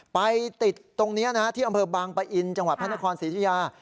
ไปติดตรงนี้ที่อำเภอบางปะอินจังหวัดพระนครศรีธุยา